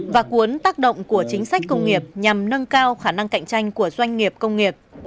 và cuốn tác động của chính sách công nghiệp nhằm nâng cao khả năng cạnh tranh của doanh nghiệp công nghiệp